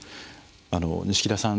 錦田さん